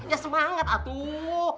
ya semangat atuh